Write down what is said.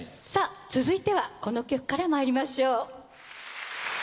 続いてはこの曲からまいりましょう。